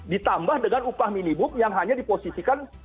ditambah dengan upah minimum yang hanya diposisikan